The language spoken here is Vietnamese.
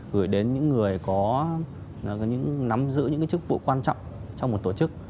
gửi đến những người có nắm giữ những chức vụ quan trọng trong một tổ chức